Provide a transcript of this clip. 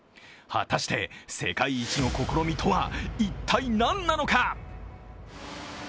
果たして、世界一の試みとは一体何なのか？